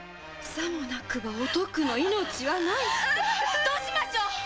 さもなくばお徳の命はない」どうしましょう！